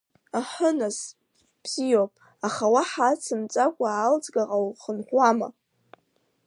Аҳы нас, бзиоуп, аха уаҳа ацымҵаӡакәа Аалӡгаҟа ухынҳәуама?